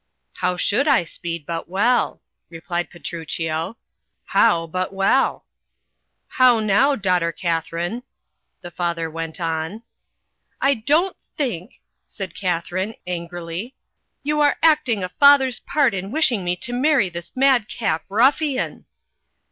"How should I speed but well," replied Petruchio — "how, but well ?" "How now, daughter Katharine?" the father went on. "I don't think," said Katharine, angrily, "you are acting a father's part in wishing me to marry this mad cap ruffian."